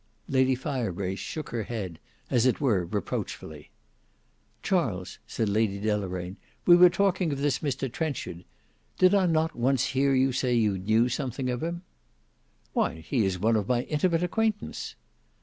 Lady Firebrace shook her head, as it were reproachfully. "Charles," said Lady Deloraine, "we were talking of this Mr Trenchard. Did I not once hear you say you knew something of him?" "Why, he is one of my intimate acquaintance."